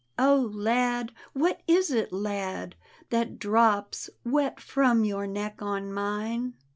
" Oh, lad, what is it, lad, that drops Wet from your neck on mine?